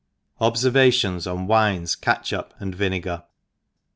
XV. Obfervations on Wines, Catchup, and Vinegar.